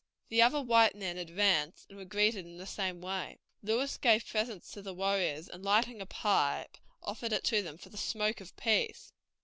The other white men advanced and were greeted in the same way. Lewis gave presents to the warriors, and, lighting a pipe, offered it to them for the "smoke of peace."